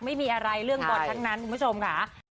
ไม่มีอะไรเรื่องบอนด้วยทั้งนั้น